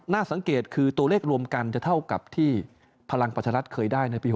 สังเกตคือตัวเลขรวมกันจะเท่ากับที่พลังประชารัฐเคยได้ในปี๖๐